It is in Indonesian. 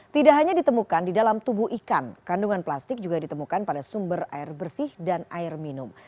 tidak hanya ditemukan di dalam tubuh ikan kandungan plastik juga ditemukan pada sumber air bersih dan air minum